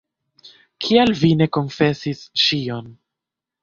Kial vi ne konfesis ĉion?